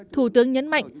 thủ tướng nhấn mạnh